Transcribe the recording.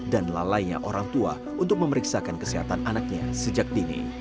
dan lalainya orang tua untuk memeriksakan kesehatan anaknya sejak dini